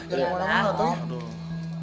jangan kemana mana tau ya